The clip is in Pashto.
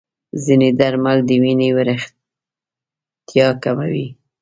ځینې درمل د وینې وریښتیا کموي.